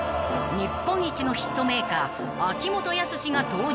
［日本一のヒットメーカー秋元康が登場］